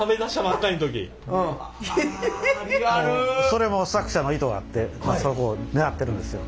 それも作者の意図があってそこをねらってるんですよ。